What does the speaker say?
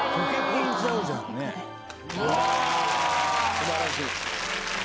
素晴らしい！